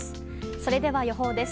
それでは予報です。